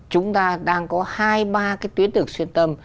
chúng ta đang có hai ba cái tuyến đường xuyên tâm